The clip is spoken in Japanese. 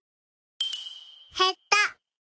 へった。